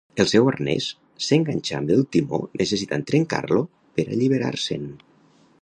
El seu arnès s'enganxà amb el timó necessitant trencar-lo per a alliberar-se'n.